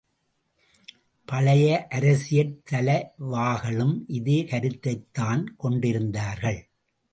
பழைய அரசியல்தலை வாகளும் இதே கருத்தைத்தான் கொண்டிருந்தார்கள்.